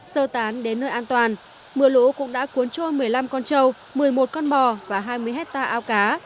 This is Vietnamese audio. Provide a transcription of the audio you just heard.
sơ tán đến nơi an toàn mưa lũ cũng đã cuốn trôi một mươi năm con trâu một mươi một con bò và hai mươi hectare ao cá